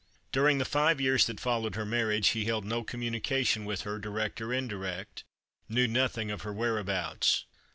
During the five years that followed her marriage he 244 The Christmas Hirelings held no communicatioii with her, direct or indirect, knew nothing of her whereabouts.